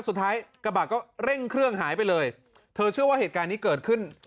กระบะก็เร่งเครื่องหายไปเลยเธอเชื่อว่าเหตุการณ์นี้เกิดขึ้น